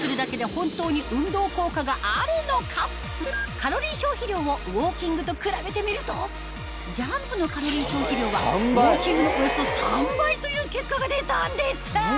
カロリー消費量をウオーキングと比べてみるとジャンプのカロリー消費量はウオーキングのおよそ３倍という結果が出たんです